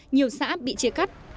nhiều xã bị chia cắt